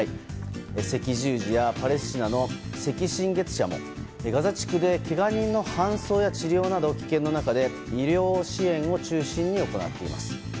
赤十字やパレスチナの赤新月社もガザ地区でけが人の搬送や治療など危険の中で医療支援を中心に行っています。